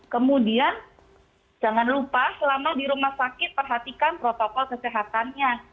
kemudian jangan lupa selama di rumah sakit perhatikan protokol kesehatannya